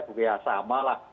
bukan ya sama lah